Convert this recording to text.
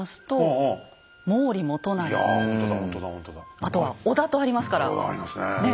あとは「織田」とありますからねえ